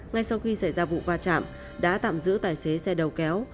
ngay sau khi xảy ra vụ va chạm đã tạm giữ tài xế xe đầu kéo